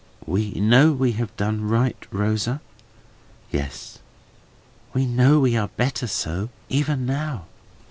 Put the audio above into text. "We know we have done right, Rosa?" "Yes." "We know we are better so, even now?"